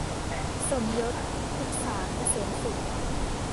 สมยศ พฤกษาเกษมสุข